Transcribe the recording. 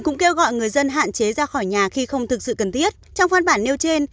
cũng kêu gọi người dân hạn chế ra khỏi nhà khi không thực sự cần thiết trong văn bản nêu trên